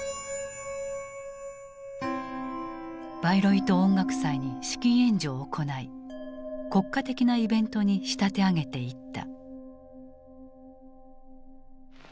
バイロイト音楽祭に資金援助を行い国家的なイベントに仕立て上げていった。